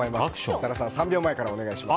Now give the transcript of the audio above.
設楽さん、３秒前からお願いします。